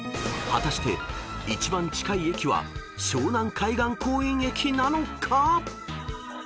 ［果たして一番近い駅は湘南海岸公園駅なのか⁉］